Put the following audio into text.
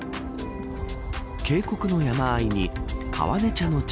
渓谷の山あいに川根茶の茶